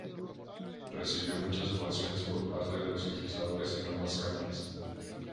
Recibió muchas ovaciones por parte de los legisladores en ambas cámaras.